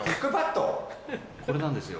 これなんですよ